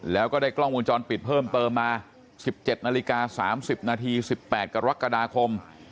แล้วก็ได้กล้องวงจรปิดเพิ่มเติมมา๑๗นาฬิกา๓๐นาที๑๘กรกฎาคม